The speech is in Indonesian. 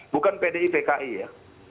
bukan pdi pki ya